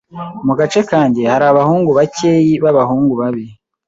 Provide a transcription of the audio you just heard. Mu gace kanjye hari abahungu bakeyi b'abahungu babi.